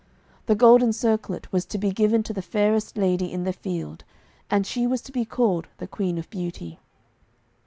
The golden circlet was to be given to the fairest lady in the field, and she was to be called the 'Queen of Beauty.'